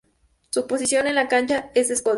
Su posición en la cancha es de escolta.